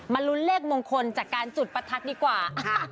ลุ้นเลขมงคลจากการจุดประทัดดีกว่าค่ะ